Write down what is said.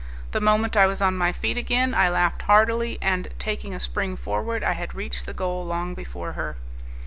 The moment I was on my feet again, I laughed heartily and, taking a spring forward, I had reached the goal long before her.